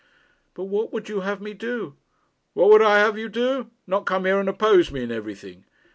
'But what would you have had me do?' 'What would I have had you do? Not come here and oppose me in everything.'